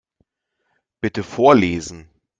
Bitte vorlesen.